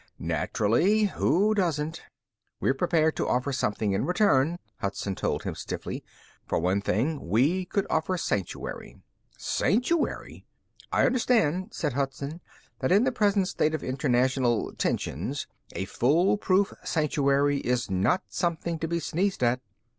"Naturally. Who doesn't?" "We're prepared to offer something in return," Hudson told him stiffly. "For one thing, we could offer sanctuary." "Sanctuary!" "I understand," said Hudson, "that in the present state of international tensions, a foolproof sanctuary is not something to be sneezed at."